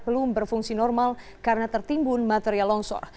belum berfungsi normal karena tertimbun material longsor